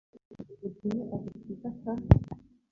kandi uduhe agakiza k